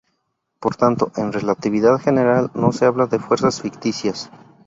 Por tanto en relatividad general no se habla de fuerzas ficticias.